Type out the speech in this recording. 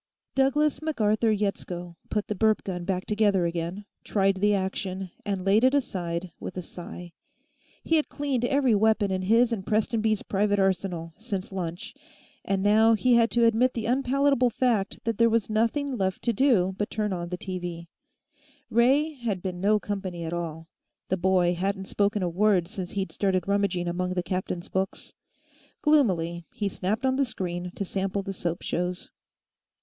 Douglass MacArthur Yetsko put the burp gun back together again, tried the action, and laid it aside with a sigh. He had cleaned every weapon in his and Prestonby's private arsenal, since lunch, and now he had to admit the unpalatable fact that there was nothing left to do but turn on the TV. Ray had been no company at all; the boy hadn't spoken a word since he'd started rummaging among the captain's books. Gloomily, he snapped on the screen to sample the soap shows.